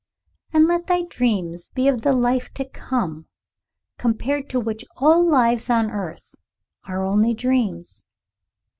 And let thy dreams be of the life to come, compared to which all lives on earth are only dreams.